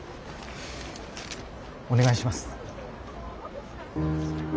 お願いします。